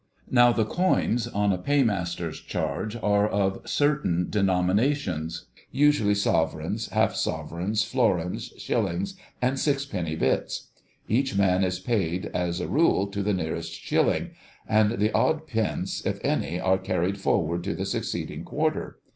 Now the coins on a Paymaster's charge are of certain denominations—usually sovereigns, half sovereigns, florins, shillings, and sixpenny bits. Each man is paid, as a rule, to the nearest shilling, and the odd pence, if any, are carried forward to the succeeding quarter.